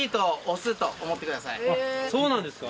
そうなんですか？